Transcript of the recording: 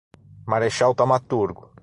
Marechal Thaumaturgo